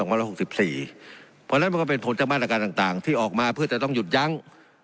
เพราะฉะนั้นมันก็เป็นผลจากมาตรการต่างที่ออกมาเพื่อจะต้องหยุดยั้ง